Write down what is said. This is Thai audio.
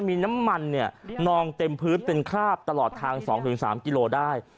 มีน้ำมันเนี่ยนองเต็มพื้นเป็นคราบตลอดทาง๒๓กิโลได้